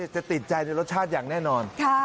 จะติดใจในรสชาติอย่างแน่นอน